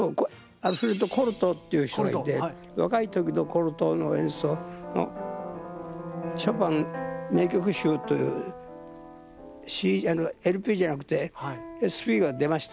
コルトーっていう人がいて若い時のコルトーの演奏のショパン名曲集というＬＰじゃなくてＳＰが出ましたね。